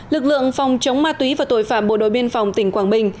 lực lượng phòng chống ma túy và tội phạm bộ đội biên phòng tỉnh quảng bình